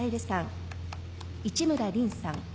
市村凛さん。